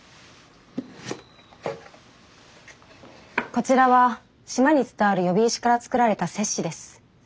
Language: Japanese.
こちらは島に伝わる喚姫石から作られた鑷子です。